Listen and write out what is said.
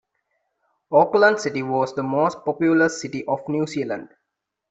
Auckland City was the most populous city of New Zealand.